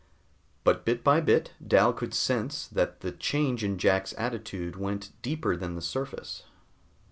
But bit by bit Dal could sense that the change in Jack's attitude went deeper than the surface.